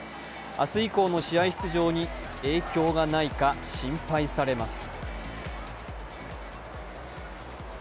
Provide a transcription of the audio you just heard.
明日以降の試合に影響がないか心配されます。